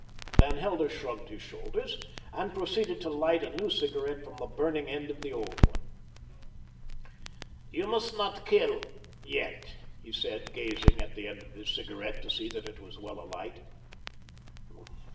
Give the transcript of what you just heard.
Van Helder shrugged his shoulders, and proceeded to light a new cigarette from the burning end of the old one. "You must not kill yet," he said, gazing at the end of his cigarette to see that it was well alight.